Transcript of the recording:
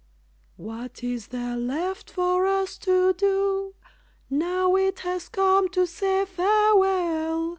What is there left for us to do, Now it has come to say farewell?